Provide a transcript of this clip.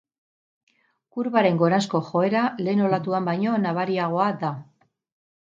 Kurbaren goranzko joera lehen olatuan baino nabariagoa da.